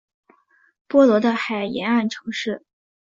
波罗的海沿岸城市。